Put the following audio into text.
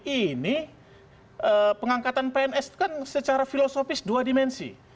ini pengangkatan pns itu kan secara filosofis dua dimensi